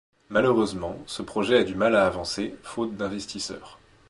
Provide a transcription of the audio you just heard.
Malheureusement, ce projet a du mal à avancer, faute d'investisseurs.